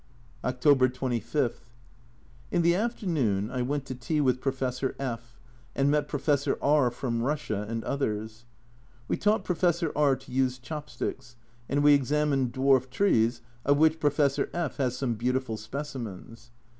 A Journal from Japan 229 October 25. In the afternoon I went to tea with Professor/'' and met Professor R from Russia, and others. We taught Professor R to use chop sticks, and we examined dwarf trees, of which Professor F has some beautiful specimens.